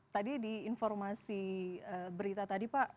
tadi di informasi berita tadi pak